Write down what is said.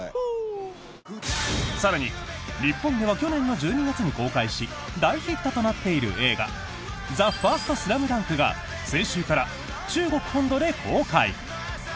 更に、日本では去年の１２月に公開し大ヒットとなっている映画「ＴＨＥＦＩＲＳＴＳＬＡＭＤＵＮＫ」が先週から中国本土で公開。